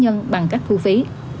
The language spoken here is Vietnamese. nhưng bằng cách thu phí